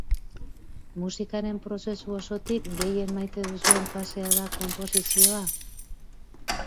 Musikaren prozesu osotik gehien maite duzuen fasea da konposizioa?